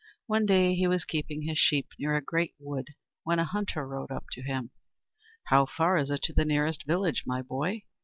One day he was keeping his sheep near a great wood when a hunter rode up to him. "How far is it to the nearest village, my boy?"